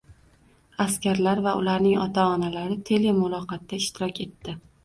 Askarlar va ularning ota-onalari telemuloqotda ishtirok etdi